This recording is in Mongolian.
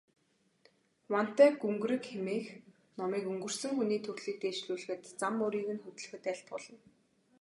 Вантай гүнгэрэг хэмээх номыг өнгөрсөн хүний төрлийг дээшлүүлэхэд, зам мөрийг нь хөтлөхөд айлтгуулна.